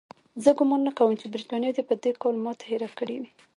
زه ګومان نه کوم چې برټانیې به د کال ماتې هېره کړې وي.